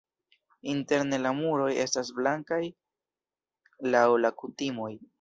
Interne la muroj estas blankaj laŭ la kutimoj.